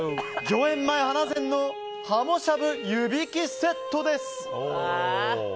御苑前花膳のはもしゃぶ、湯引きセットです。